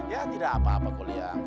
ya tidak apa apa kuliah